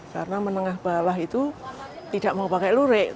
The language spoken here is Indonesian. karena menengah bawah itu tidak mau pakai lurik